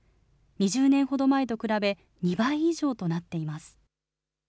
２０年ほど前と比べ、２倍以上となっています。